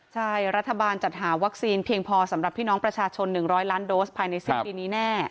ใช่รัฐบาลจัดหาวัคซีนเพียงพอสำหรับพี่น้องประชาชน๑๐๐ล้านโดสภายในสิ้นปีนี้แน่